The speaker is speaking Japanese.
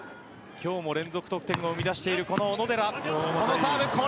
今日も連続得点を生み出しているこの小野寺。